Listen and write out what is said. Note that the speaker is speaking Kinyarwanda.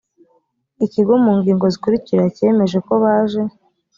ikigo mu ngingo zikurikira cyemejeko baje